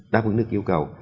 đáp ứng được yêu cầu